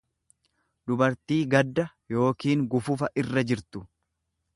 dubartii gadda yookiin gufufa irra jirtu.